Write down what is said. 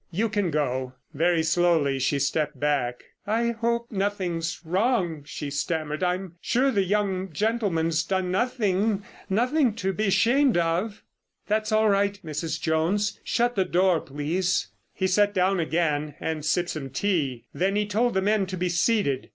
"You can go." Very slowly she stepped back. "I hope nothing's wrong," she stammered. "I'm sure the young gentleman's done nothing—nothing to be ashamed of——" "That's all right, Mrs. Jones.... Shut the door, please." He sat down again and sipped some tea. Then he told the men to be seated.